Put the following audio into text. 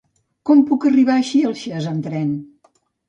Com puc arribar a Xilxes amb tren?